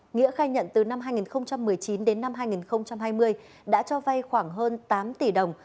nghĩa khai nhận từ năm hai nghìn một mươi chín đến năm hai nghìn hai mươi đã cho vay khoảng hơn tám tỷ đồng